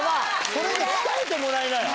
それで鍛えてもらいなよ。